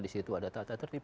di situ ada tata tertib